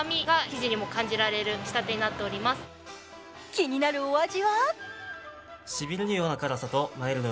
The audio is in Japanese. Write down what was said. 気になるお味は？